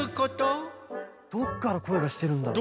どっからこえがしてるんだろう？